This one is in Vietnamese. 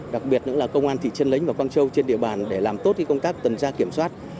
đặc biệt nữa là công an thị trấn nánh và quang châu trên địa bàn để làm tốt công tác tần gia kiểm soát